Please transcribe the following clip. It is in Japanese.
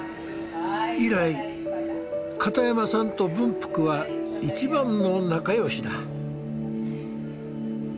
以来片山さんと文福は一番の仲よしだ。